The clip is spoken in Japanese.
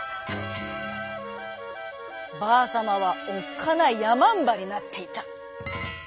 ばあさまはおっかないやまんばになっていた。